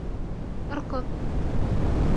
اركض!